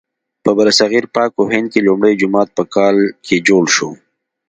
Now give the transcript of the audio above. په برصغیر پاک و هند کې لومړی جومات په کال کې جوړ شو.